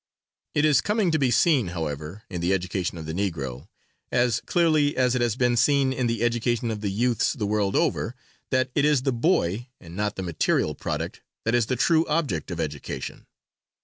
It is coming to be seen, however, in the education of the Negro, as clearly as it has been seen in the education of the youths the world over, that it is the boy and not the material product, that is the true object of education.